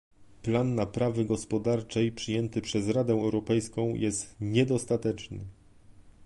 Plan naprawy gospodarczej przyjęty przez Radę Europejską jest niedostateczny